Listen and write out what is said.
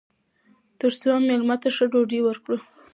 تر څو میلمه ته ښه ډوډۍ ورکړو.